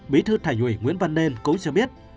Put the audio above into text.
bí thư thành ủy nguyễn văn nên cũng cho biết